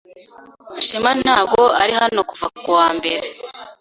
Shema ntabwo ari hano kuva kuwa mbere.